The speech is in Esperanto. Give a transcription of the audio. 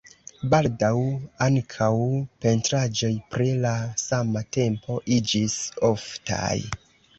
Baldaŭ ankaŭ pentraĵoj pri la sama temo iĝis oftaj.